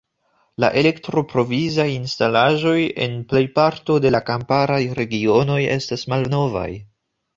La elektroprovizaj instalaĵoj en plejparto de la kamparaj regionoj estas malnovaj.